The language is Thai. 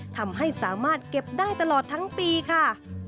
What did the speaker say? ทำให้สามารถเก็บได้ตลอดทั้งปีค่ะ